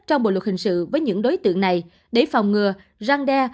trong bộ luật hình sự với những đối tượng này để phòng ngừa răng đe